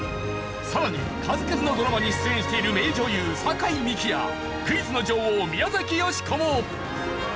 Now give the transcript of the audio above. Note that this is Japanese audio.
さらに数々のドラマに出演している名女優酒井美紀やクイズの女王宮崎美子も。